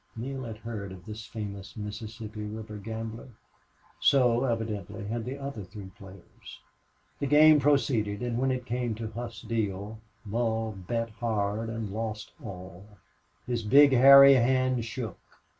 Neale had heard of this famous Mississippi River gambler. So, evidently, had the other three players. The game proceeded, and when it came to Hough's deal Mull bet hard and lost all. His big, hairy hands shook.